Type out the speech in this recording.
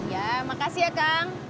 ya makasih ya kang